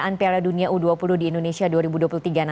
dan tetap tercatat enam stadion yang ada di jakarta bandung jawa tenggara